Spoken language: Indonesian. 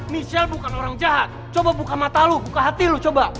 michelle bukan orang jahat coba buka mata lo buka hati lu coba